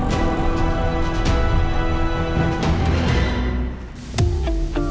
kamu sampe peel ini lucu